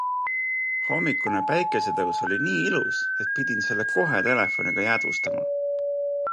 Hommikune päikesetõus oli nii ilus, et pidin selle kohe telefoniga jäädvustama.